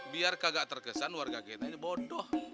biar kagak terkesan warga kita ini bodoh